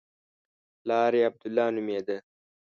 پلار یې عبدالله نومېده.